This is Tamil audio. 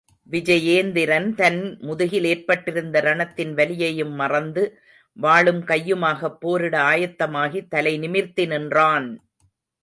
விஜயேந்திரன், தன் முதுகில் ஏற்பட்டிருந்த ரணத்தின் வலியையும் மறந்து, வாளும் கையுமாகப் போரிட ஆயத்தமாகி தலை நிமிர்த்தி நின்றான்!